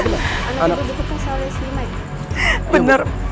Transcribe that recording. anak anak itu betul betul selesai